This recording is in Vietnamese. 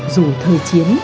dù thời chiến